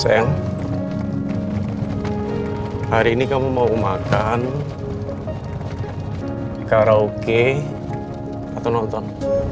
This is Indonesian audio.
hari ini kamu mau makan karaoke atau nonton